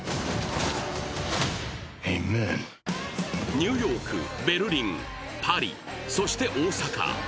ニューヨーク、ベルリン、パリ、そして大阪。